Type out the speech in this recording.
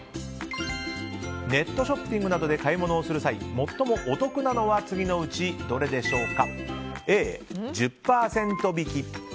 ネットショッピングなどで買い物をする際最もお得なのは次のうちどれでしょうか。